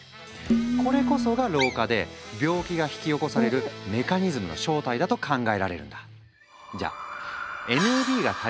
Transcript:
これこそが老化で病気が引き起こされるメカニズムの正体だと考えられるんだ。